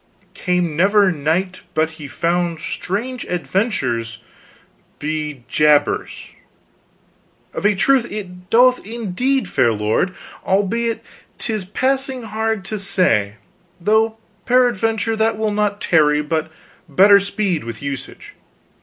"came never knight but he found strange adventures, be jabers. Of a truth it doth indeed, fair lord, albeit 'tis passing hard to say, though peradventure that will not tarry but better speed with usage.